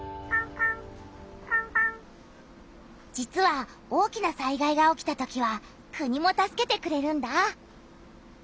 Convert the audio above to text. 実は大きな災害が起きたときは「国」も助けてくれるんだ！